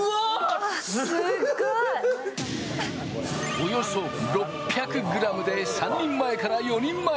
およそ６００ｇで３人前から４人前。